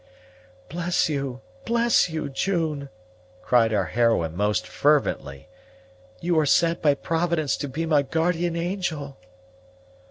"Bless you! bless you, June!" cried our heroine most fervently; "you are sent by Providence to be my guardian angel!"